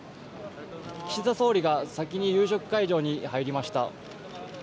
岸田総理が先に夕食会場に入りました。